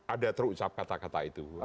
ada terucap kata kata itu